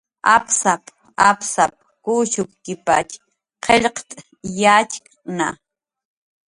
"Apsap"" apsap kushukkipatx qillqt' yatxkna"